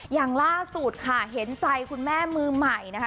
อย่างล่าสุดค่ะเห็นใจคุณแม่มือใหม่นะคะ